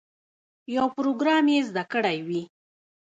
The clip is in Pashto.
یو پروګرام یې زده کړی وي.